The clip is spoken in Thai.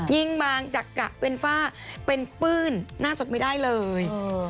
ยิงบางจากกะเป็นฝ้าเป็นปื้นหน้าจดไม่ได้เลย